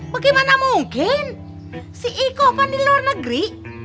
bagaimana mungkin si ikoh apa di luar negeri